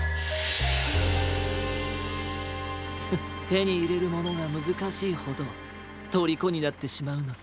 フッてにいれるものがむずかしいほどとりこになってしまうのさ。